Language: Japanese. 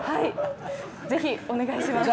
ぜひ、お願いします。